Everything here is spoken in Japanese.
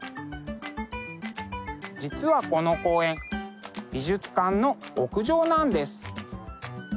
実はこの公園美術館の屋上なんです。